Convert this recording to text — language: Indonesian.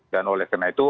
dan oleh karena itu